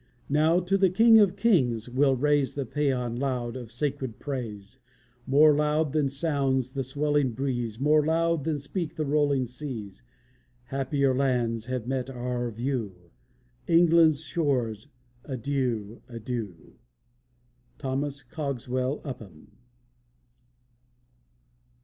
Now to the King of kings we'll raise The pæan loud of sacred praise; More loud than sounds the swelling breeze, More loud than speak the rolling seas! Happier lands have met our view! England's shores, adieu! adieu! THOMAS COGSWELL UPHAM.